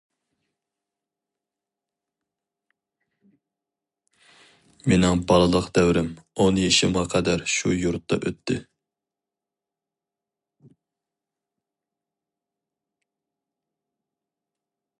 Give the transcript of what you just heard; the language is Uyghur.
مېنىڭ بالىلىق دەۋرىم ئون يېشىمغا قەدەر شۇ يۇرتتا ئۆتتى.